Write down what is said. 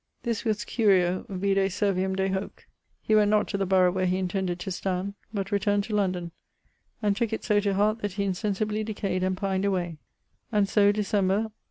This was Curio: vide Servium de hoc] he went not to the borough where he intended to stand; but returned to London, and tooke it so to heart that he insensibly decayed and pined away; and so, December